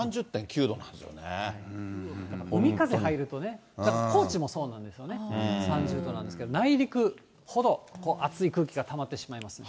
海風入るとね、高知もそうなんですよね、３０度なんですけれども、内陸ほど暑い空気がたまっ